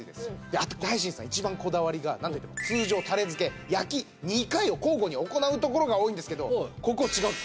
あと大新さん一番こだわりがなんといっても通常タレ付け・焼き２回を交互に行うところが多いんですけどここは違うんです。